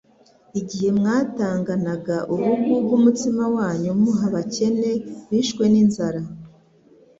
Igihe mwatanganaga ubugugu umutsima wanyu muha abakene bishwe n'inzara,